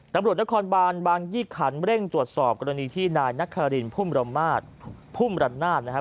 ตำรวจนครบานบางยี่ขันเร่งตรวจสอบกรณีที่นายนครินพุ่มรำมาสพุ่มรันนาศนะครับ